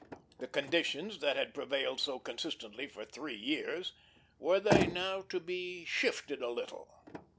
The conditions that had prevailed so consistently for three years, were they now to be shifted a little?